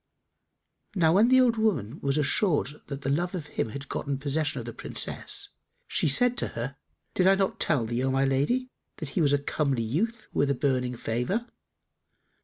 Now when the old woman was assured that the love of him had gotten possession of the Princess, she said to her, "Did I not tell thee, O my lady, that he was a comely youth with a beaming favour?"